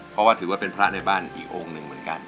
เพราะว่าถือว่าเป็นพระในบ้านอีกองค์หนึ่งเหมือนกัน